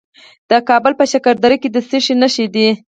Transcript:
د کابل په شکردره کې د څه شي نښې دي؟